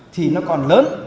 thì nó còn lớn